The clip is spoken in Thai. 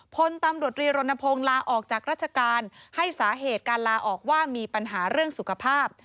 พลตำรวจรีรณพงศ์ลาออกจากราชการให้สาเหตุการลาออกว่ามีปัญหาเรื่องสุขภาพ